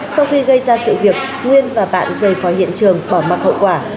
sau khi gây ra sự việc nguyên và bạn rời khỏi hiện trường bỏ mặc hậu quả